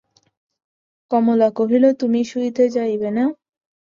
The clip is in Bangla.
কমলা কহিল, তুমি শুইতে যাইবে না?